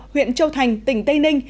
huyện châu thành tỉnh tây ninh